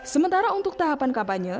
sementara untuk tahapan kampanye